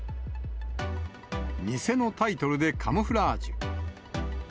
偽のタイトルでカムフラージュ。